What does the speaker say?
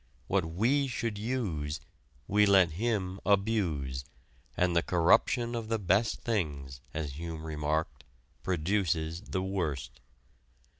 What we should use, we let him abuse, and the corruption of the best things, as Hume remarked, produces the worst.